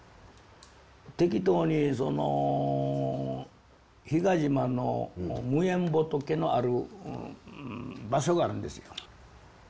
適当にその比嘉島の無縁仏のある場所があるんですよ。